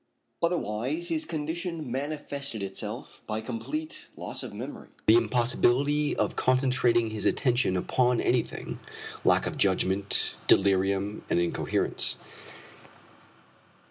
Otherwise his condition manifested itself by complete loss of memory; the impossibility of concentrating his attention upon anything, lack of judgment, delirium and incoherence.